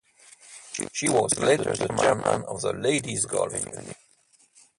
She was later the chairman of the Ladies Golf Union.